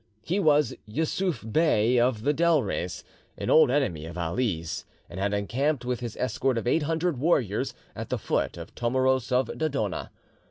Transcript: He was Yussuf Bey of the Delres, an old enemy of Ali's, and had encamped with his escort of eight hundred warriors at the foot of Tomoros of Dodona.